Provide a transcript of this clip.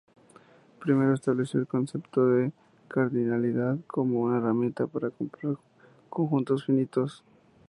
Primero estableció el concepto de cardinalidad como una herramienta para comparar conjuntos finitos.